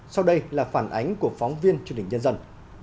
sau đây là phản ánh của phóng viên truyền hình nhân dân